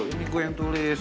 ini gue yang tulis